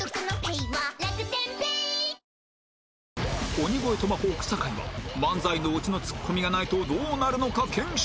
鬼越トマホーク坂井は漫才のオチのツッコミがないとどうなるのか検証